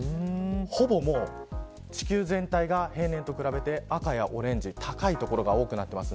ほぼ地球全体が平年と比べて赤やオレンジ、高い所が多くなっています。